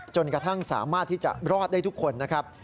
จนกระทั่งสามารถที่จะรอดได้ทุกคนนะครับ